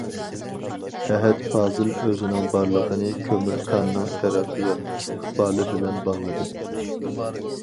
ئەھەت پازىل ئۆزىنىڭ بارلىقىنى كۆمۈر كاننىڭ تەرەققىيات ئىستىقبالى بىلەن باغلىدى.